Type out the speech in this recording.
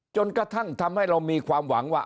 จนกระทั่งทำให้เรามีความหวังว่า